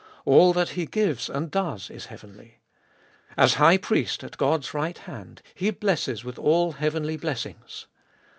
All that He gives and does, is heavenly. As High Priest at God's right hand, He blesses with all heavenly blessings.